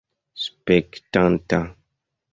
spektanta